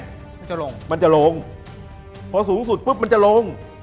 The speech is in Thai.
มันจะลงมันจะลงพอสูงสุดปุ๊บมันจะลง